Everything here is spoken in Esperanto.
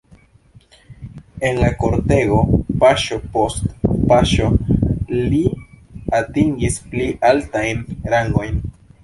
En la kortego paŝo post paŝo li atingis pli altajn rangojn.